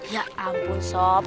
ya ampun sob